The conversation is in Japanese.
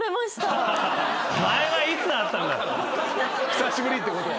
久しぶりってことは。